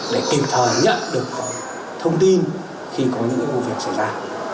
để kịp thời nhận được thông tin khi có những vụ việc xảy ra